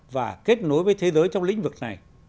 và kết nối với thế giới trong lĩnh vực này